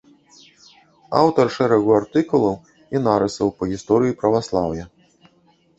Аўтар шэрагу артыкулаў і нарысаў па гісторыі праваслаўя.